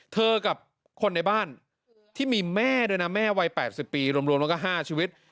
กับคนในบ้านที่มีแม่ด้วยนะแม่วัย๘๐ปีรวมแล้วก็๕ชีวิต